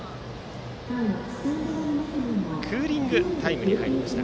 クーリングタイムに入りました。